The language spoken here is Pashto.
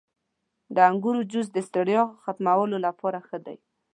• د انګورو جوس د ستړیا ختمولو لپاره ښه دی.